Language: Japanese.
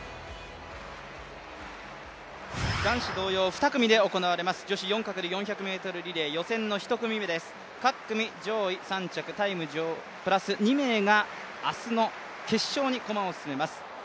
男子同様、２組で行われます女子４×１００ｍリレー予選の１組目です、各組上位２名プラス２名が明日の決勝に駒を進めます。